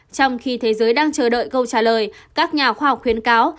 trong khi thế giới đang chờ đợi câu trả lời các nhà khoa học khuyến cáo